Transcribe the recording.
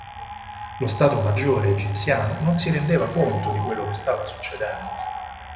Lo stato maggiore egiziano non si rendeva conto di quello che stava succedendo.